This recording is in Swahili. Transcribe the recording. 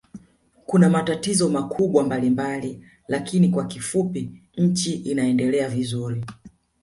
Kuna matatizo makubwa mbalimbali lakini kwa kifupui nchi inaendelea vizuri